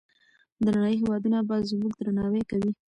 د نړۍ هېوادونه به زموږ درناوی کوي.